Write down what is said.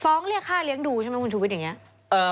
ฟ้องเรียกฆ่าเลี้ยงดูใช่ไหมคุณถูกวิทย์อย่างนี้